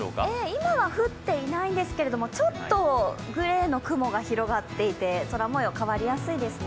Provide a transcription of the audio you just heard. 今は降っていないんですけれども、ちょっとグレーの雲が広がっていて、空もよう、変わりやすいですね。